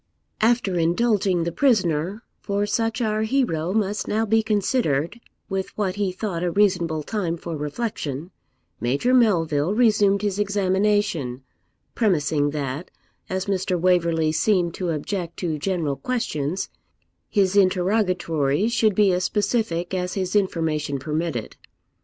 After indulging the prisoner, for such our hero must now be considered, with what he thought a reasonable time for reflection, Major Melville resumed his examination, premising that, as Mr. Waverley seemed to object to general questions, his interrogatories should be as specific as his information permitted.